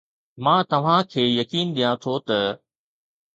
مان توهان کي يقين ڏيان ٿو ته